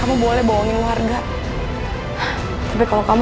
kamu boleh bohongin warga tapi kalau kamu sampai ke sana kan